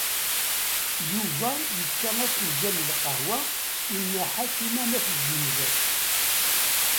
Yuba yefka afenǧal n lqahwa i Nna Ḥakima n At Zmenzer.